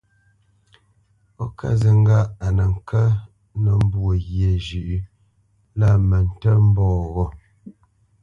Ó ká zi ŋgâʼ a nə kə́ nə́ mbwô ghyê zhʉ̌ʼ lá mə ntə́ mbɔ̂ ghô ?